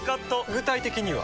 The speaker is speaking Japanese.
具体的には？